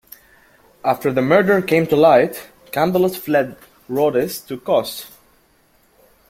After the murder came to light, Candalus fled Rhodes to Cos.